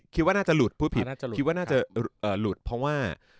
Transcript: คิดว่าน่าจะหลุดพูดผิดคิดว่าน่าจะหลุดเพราะว่า